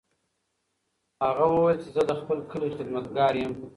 هغه وویل چې زه د خپل کلي خدمتګار یم.